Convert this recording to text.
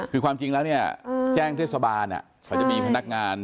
คือความจริงแล้วเนี่ยแจ้งเทศบาลเขาจะมีพนักงาน